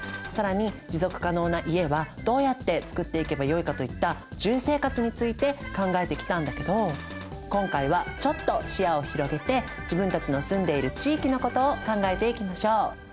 更に持続可能な家はどうやってつくっていけばよいかといった住生活について考えてきたんだけど今回はちょっと視野を広げて自分たちの住んでいる地域のことを考えていきましょう。